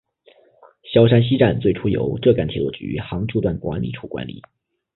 萧山西站最初由浙赣铁路局杭诸段管理处管理。